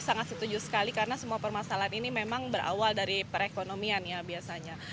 sangat setuju sekali karena semua permasalahan ini memang berawal dari perekonomian ya biasanya